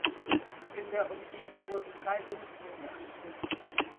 In der Umgebung wurden drei Windmühlen errichtet.